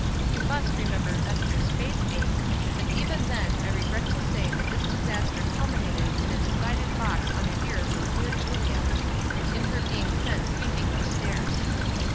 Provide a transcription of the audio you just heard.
You must remember Ester's face ache, but even then I regret to say that this disaster culminated in a decided box on the ear for poor Julia, and in her being sent weeping up stairs.